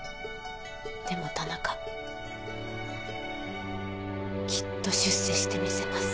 でも田中きっと出世してみせます。